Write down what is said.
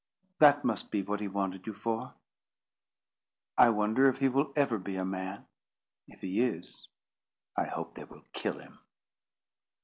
That must be what he wanted you for. I wonder if he will ever be a man. If he is, I hope they will kill him."